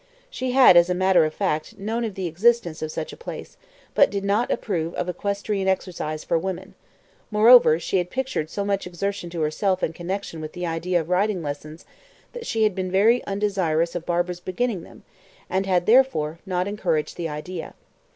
She had, as a matter of fact, known of the existence of such a place, but did not approve of "equestrian exercise for women "; moreover, she had pictured so much exertion to herself in connection with the idea of riding lessons, that she had been very undesirous of Barbara's beginning them, and had, therefore, not encouraged the idea.